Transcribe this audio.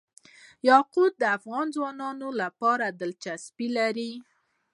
یاقوت د افغان ځوانانو لپاره دلچسپي لري.